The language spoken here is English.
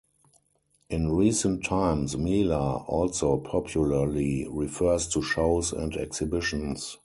In recent times "Mela" also popularly refers to shows and exhibitions.